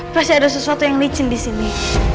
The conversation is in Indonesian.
pasti ada sesuatu yang licin disini